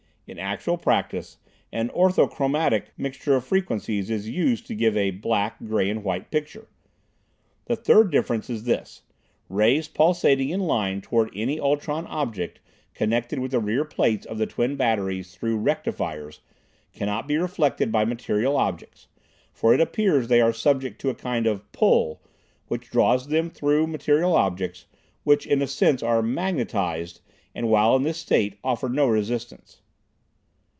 In actual practice an orthochromatic mixture of frequencies is used to give a black, gray and white picture. The third difference is this: rays pulsating in line toward any ultron object connected with the rear plates of the twin batteries through rectifiers cannot be reflected by material objects, for it appears they are subject to a kind of "pull" which draws them straight through material objects, which in a sense are "magnetized" and while in this state offer no resistance.